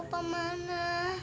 bu bapak mana